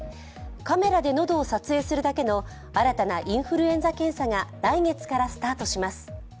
カメラで喉を撮影するだけの新たなインフルエンザ検査が来月からスタートします。